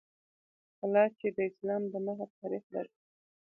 کلا چې د اسلام د مخه تاریخ لري